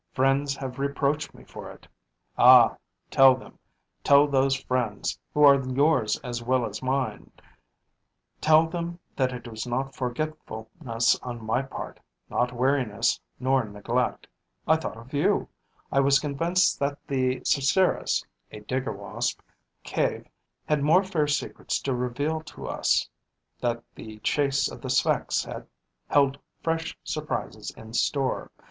Friends have reproached me for it. Ah, tell them, tell those friends, who are yours as well as mine, tell them that it was not forgetfulness on my part, not weariness, nor neglect: I thought of you; I was convinced that the Cerceris [a digger wasp] cave had more fair secrets to reveal to us, that the chase of the Sphex held fresh surprises in store.